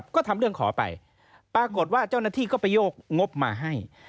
ก็ทำเรื่องขอไปปรากฏว่าเจ้าหน้าที่ก็ไปโยกงบมาให้